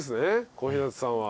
小日向さんは。